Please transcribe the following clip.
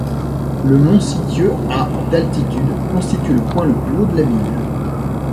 Le mont Sithieu, à d'altitude, constitue le point le plus haut de la ville.